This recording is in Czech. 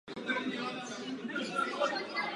Během několika let skupina prošla změnami stylu i obsazení.